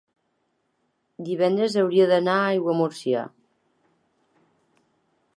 divendres hauria d'anar a Aiguamúrcia.